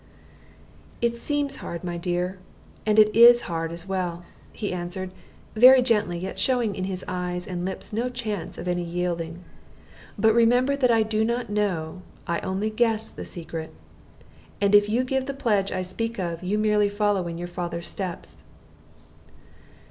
"It seems hard, my dear, and it is hard as well," he answered, very gently, yet showing in his eyes and lips no chance of any yielding. "But remember that I do not know, I only guess, the secret; and if you give the pledge I speak of, you merely follow in your father's steps."